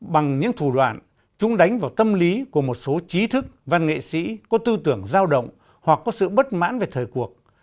bằng những thủ đoạn chúng đánh vào tâm lý của một số trí thức văn nghệ sĩ có tư tưởng giao động hoặc có sự bất mãn về thời cuộc